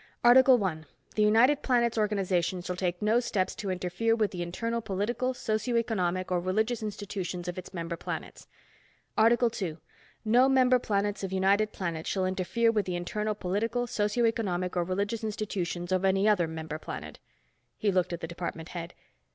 "Article One: _The United Planets organization shall take no steps to interfere with the internal political, socio economic, or religious institutions of its member planets._ Article Two: _No member planets of United Planets shall interfere with the internal political, socioeconomic or religious institutions of any other member planet._" He looked at the department head.